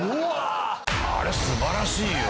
あれすばらしいよ